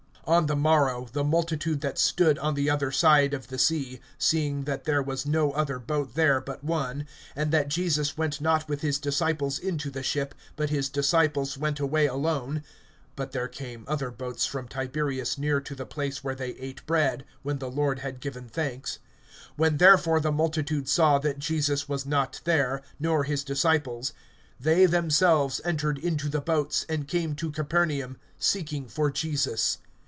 (22)On the morrow, the multitude that stood on the other side of the sea, seeing that there was no other boat there but one, and that Jesus went not with his disciples into the ship, but his disciples went away alone (23)(but there came other boats from Tiberias near to the place where they ate bread, when the Lord had given thanks); (24)when therefore the multitude saw that Jesus was not there, nor his disciples, they themselves entered into the boats, and came to Capernaum, seeking for Jesus.